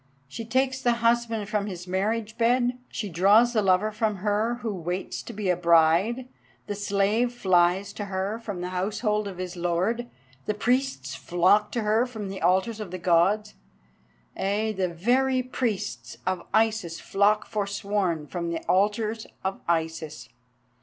She takes the husband from his marriage bed; she draws the lover from her who waits to be a bride; the slave flies to her from the household of his lord; the priests flock to her from the altars of the Gods—ay, the very priests of Isis flock forsworn from the altars of Isis.